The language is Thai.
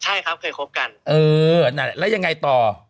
ใช่ครับเคยคบกันแล้วยังไงต่อ